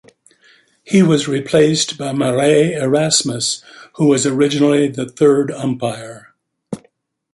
He was replaced by Marais Erasmus who was originally the third umpire.